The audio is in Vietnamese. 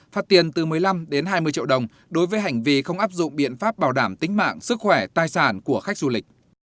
phạt tiền từ một mươi năm đến hai mươi triệu đồng đối với hành vi không áp dụng biện pháp bảo đảm tính mạng sức khỏe tài sản của khách du lịch